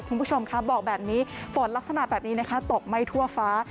คุณผู้ชมค่ะบอกแบบนี้ฝนลักษณะแบบนี้นะคะตกไม่ทั่วฟ้า